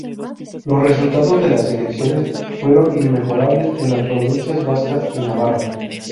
Los resultados de las elecciones fueron inmejorables en las provincias vascas y Navarra.